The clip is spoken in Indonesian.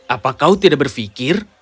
apa kau tidak berpikir